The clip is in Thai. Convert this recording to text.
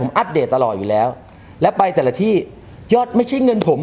อัปเดตตลอดอยู่แล้วและไปแต่ละที่ยอดไม่ใช่เงินผม